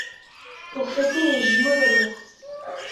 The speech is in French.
Pour fêter les jumeaux d’abord.